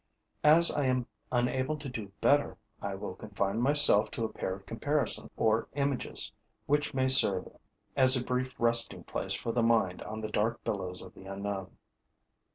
As I am unable to do better, I will confine myself to a pair of comparisons or images, which may serve as a brief resting place for the mind on the dark billows of the unknown.